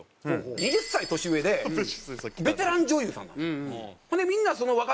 ２０歳年上でベテラン女優さんなんです。